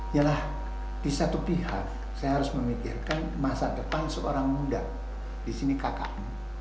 yalah di satu pihak saya harus memikirkan masa depan seorang muda di sini kakak